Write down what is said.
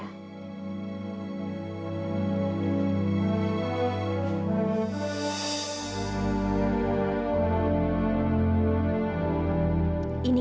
pada saat ini